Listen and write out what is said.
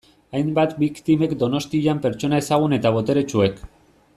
Hainbat biktimek Donostian pertsona ezagun eta boteretsuek.